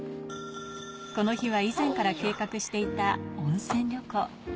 この日は以前から計画していた温泉旅行。